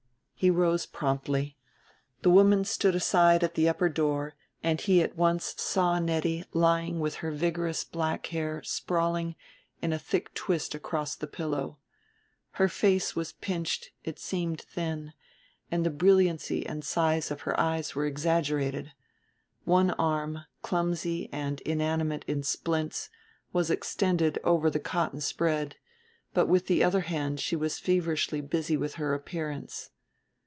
He rose promptly. The woman stood aside at the upper door and he at once saw Nettie lying with her vigorous black hair sprawling in a thick twist across the pillow. Her face was pinched, it seemed thin, and the brilliancy and size of her eyes were exaggerated. One arm, clumsy and inanimate in splints, was extended over the cotton spread; but with the other hand she was feverishly busy with her appearance.